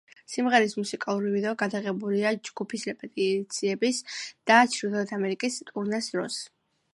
სიმღერის მუსიკალური ვიდეო გადაღებულია ჯგუფის რეპეტიციების და ჩრდილოეთ ამერიკის ტურნეს დროს.